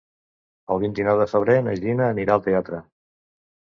El vint-i-nou de febrer na Gina anirà al teatre.